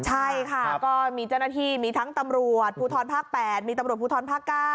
ใช่ค่ะก็มีเจ้าหน้าที่มีทั้งตำรวจภูทรภาค๘มีตำรวจภูทรภาค๙